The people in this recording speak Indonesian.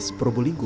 desa andung biru